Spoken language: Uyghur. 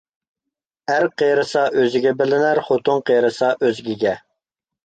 ئەر قېرىسا ئۆزىگە بىلىنەر، خوتۇن قېرىسا ئۆزگىگە.